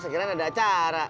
sekiranya ada acara